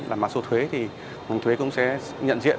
làm mã số thuế thì ngành thuế cũng sẽ nhận diện